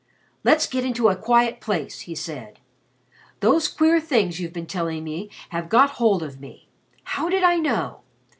"Let's get into a quiet place," he said. "Those queer things you've been telling me have got hold of me. How did I know?